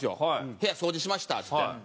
部屋掃除しましたっつって。